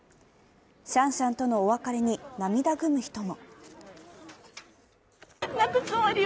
シャンシャンとのお別れに涙ぐむ人も。